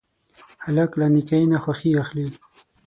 هلک له نیکۍ نه خوښي اخلي.